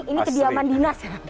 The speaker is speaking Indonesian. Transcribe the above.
ini kediaman dinas